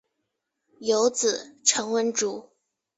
有子陈文烛。